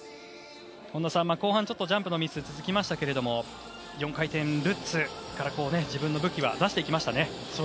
後半ジャンプのミスが続きましたが４回転ルッツから自分の武器を出してきました。